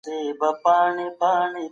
په ادارو کي باید مراجعین درناوی وګوري.